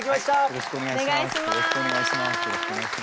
よろしくお願いします。